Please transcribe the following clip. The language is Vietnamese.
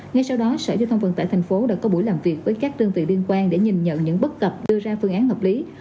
ngay sau đó sở giao thông vận tải thành phố đã có buổi làm việc với các đơn vị liên quan để nhìn nhận những bất cập đưa ra phương án hợp lý